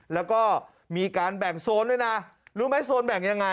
แล้วก็มีการแบ่งโซนด้วยนะรู้ไหมโซนแบ่งยังไง